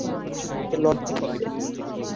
তোমাকে লড়তে হবে।